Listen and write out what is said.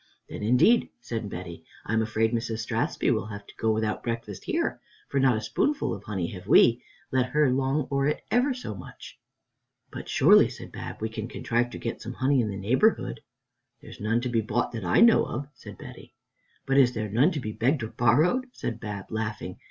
"Then, indeed," said Betty, "I'm afraid Mrs. Strathspey will have to go without breakfast here, for not a spoonful of honey have we, let her long for it ever so much." "But, surely," said Bab, "we can contrive to get some honey in the neighborhood." "There's none to be bought, that I know of," said Betty. "But is there none to be begged or borrowed?" said Bab, laughing.